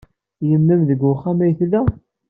Yemma-m deg uxxam ay tella?